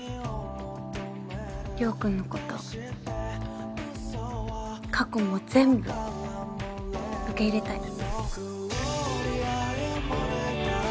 陽君のこと過去も全部受け入れたい。